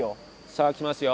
さあきますよ。